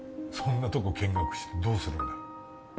そんなとこ見学してどうするんだよ